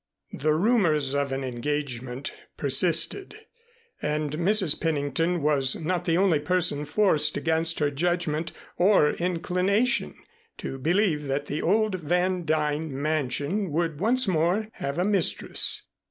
The rumors of an engagement persisted, and Mrs. Pennington was not the only person forced against her judgment or inclination to believe that the old Van Duyn mansion would once more have a mistress.